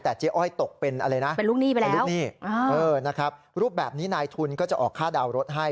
แต่เจ๊อ้อยตกเป็นลูกหนี้รูปแบบนี้นายทุนก็จะออกค่าดาวน์รถให้